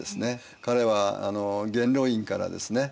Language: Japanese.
彼は元老院からですね